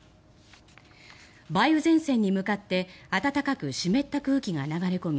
梅雨前線に向かって暖かく湿った空気が流れ込み